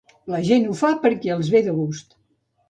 La gent ho fa perquè els hi ve de gust.